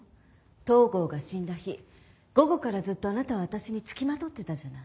東郷が死んだ日午後からずっとあなたはわたしに付きまとってたじゃない。